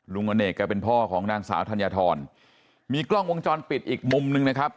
อเนกแกเป็นพ่อของนางสาวธัญฑรมีกล้องวงจรปิดอีกมุมนึงนะครับ